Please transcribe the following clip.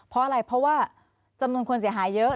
เพราะอะไรเพราะว่าจำนวนคนเสียหายเยอะ